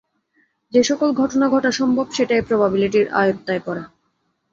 যেসকল ঘটনা ঘটা সম্ভব সেটাই প্রবাবিলিটির আয়ত্তায় পড়ে।